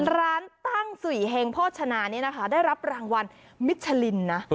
ร้านตั้งสุยเฮงโภชนานี้นะคะได้รับรางวัลมิชลินนะ